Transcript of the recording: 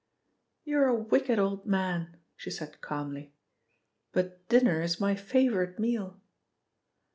"You're a wicked old man," she said calmly, "but dinner is my favourite meal."